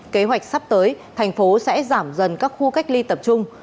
kế hoạch sắp tới thành phố sẽ giảm dần các khu cách ly tập trung